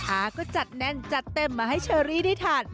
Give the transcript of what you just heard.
อาก็จัดแน่นจัดเต็มมาให้เชอรี่ได้ทาน